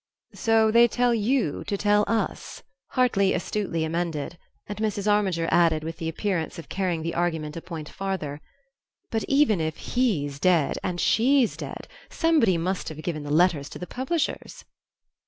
"So they tell you to tell us," Hartly astutely amended; and Mrs. Armiger added, with the appearance of carrying the argument a point farther, "But even if HE'S dead and SHE'S dead, somebody must have given the letters to the publishers."